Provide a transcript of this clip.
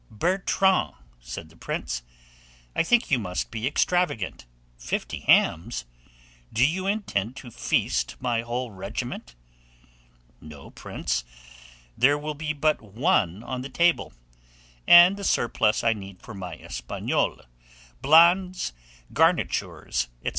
"Bertrand," said the prince, "I think you must be extravagant; Fifty hams! do you intend to feast my whole regiment?" "No, Prince, there will be but one on the table, and the surplus I need for my Espagnole, blondes, garnitures, &c."